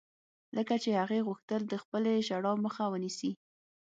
لکه چې هغې غوښتل د خپلې ژړا مخه ونيسي.